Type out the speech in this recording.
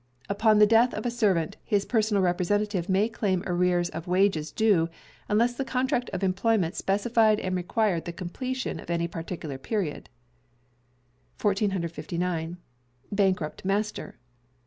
Upon the Death of a Servant, his personal representative may claim arrears of wages due, unless the contract of employment specified and required the completion of any particular period. 1459. Bankrupt Master.